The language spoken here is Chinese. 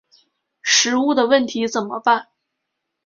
食物的问题怎么办？